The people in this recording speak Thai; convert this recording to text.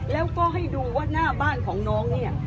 แล้วก็ให้ดูว่าหน้าบ้านของน้องเนี่ย